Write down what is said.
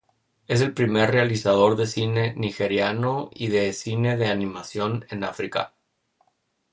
Es el primer realizador de cine nigeriano y de cine de animación en África.